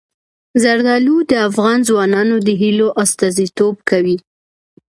زردالو د افغان ځوانانو د هیلو استازیتوب کوي.